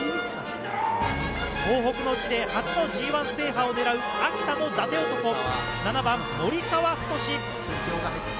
東北の地で初のＧＩ制覇をねらう秋田の伊達男、７番守澤太志。